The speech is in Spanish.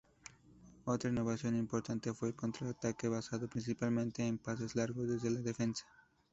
Otra innovación importante fue el contraataque, basado principalmente en pases largos desde la defensa.